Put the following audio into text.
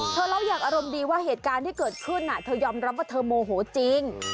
เธอเล่าอย่างอารมณ์ดีว่าเหตุการณ์ที่เกิดขึ้นเธอยอมรับว่าเธอโมโหจริง